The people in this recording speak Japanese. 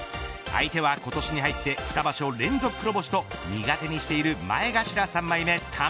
相手は今年に入って２場所連続黒星と苦手にしている前頭三枚目玉鷲。